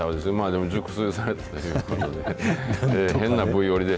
でも熟睡されたということで。